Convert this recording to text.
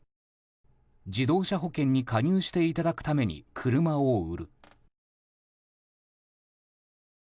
自動車保険に加入していただくために車を売る。